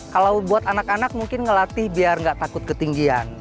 kalau buat anak anak mungkin ngelatih biar nggak takut ketinggian